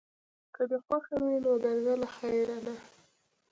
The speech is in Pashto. که دې خوښه وي نو درځه له خیره، نه.